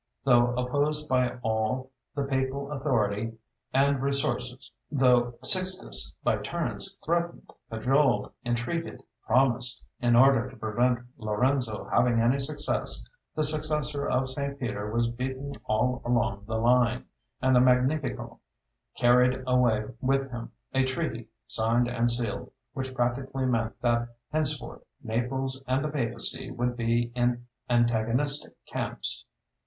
Though opposed by all the papal authority and resources; though Sixtus by turns threatened, cajoled, entreated, promised, in order to prevent Lorenzo having any success, the successor of St. Peter was beaten all along the line, and the Magnifico carried away with him a treaty, signed and sealed, which practically meant that henceforth Naples and the papacy would be in antagonistic camps.